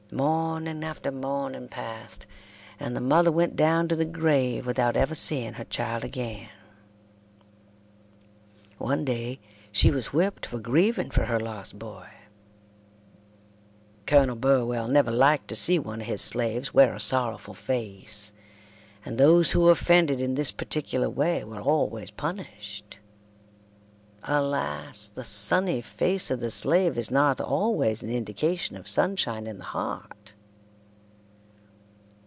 Morning after morning passed, and the mother went down to the grave without ever seeing her child again. One day she was whipped for grieving for her lost boy. Colonel Burwell never liked to see one of his slaves wear a sorrowful face, and those who offended in this particular way were always punished. Alas! the sunny face of the slave is not always an indication of sunshine in the heart.